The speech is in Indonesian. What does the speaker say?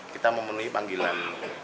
kita memenuhi panggilan